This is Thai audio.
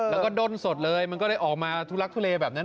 แล้วก็ด้นสดมันก็ได้ออกมาทรุลักษณ์กระเหลอแบบนั้น